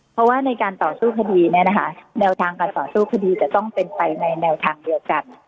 เพราะว่าในการต่อสู้คดีเนี่ยนะคะแนวทางการต่อสู้คดีจะต้องเป็นไปในแนวทางเดียวกัน